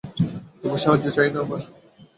তোমার সাহায্য চাই না আমার।